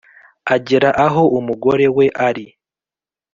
agera aho umugore we ari